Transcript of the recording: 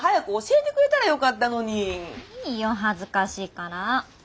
いいよ恥ずかしいから。